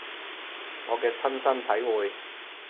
我嘅親身體會